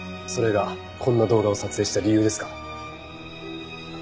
それがこんな動画を撮影した理由ですか？